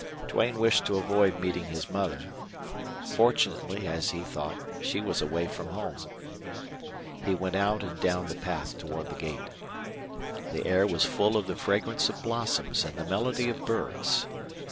Duane wished to avoid meeting his mother. Fortunately, as he thought, she was away from home. He went out and down the path toward the gate. The air was full of the fragrance of blossoms and the melody of birds.